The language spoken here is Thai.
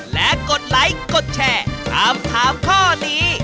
และกดไลค์กดแชร์ถามถามข้อนี้